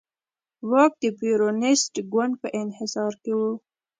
واک د پېرونېست ګوند په انحصار کې و.